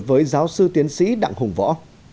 với giáo sư tiến sĩ đặng hùng võ